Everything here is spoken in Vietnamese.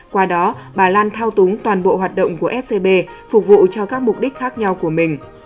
qua đó bà lan thao túng toàn bộ hoạt động của scb phục vụ cho các mục đích khác nhau của mình